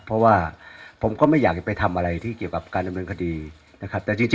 เพราะว่าผมก็ไม่อยากไปทำอะไรที่เกี่ยวกับการเลี่ยงเงินคดี